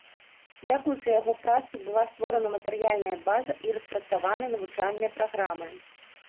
Дзякуючы яго працы была створана матэрыяльная база і распрацаваны навучальныя праграмы.